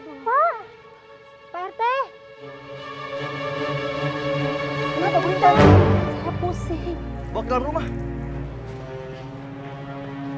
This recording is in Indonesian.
bawa ke dalam rumah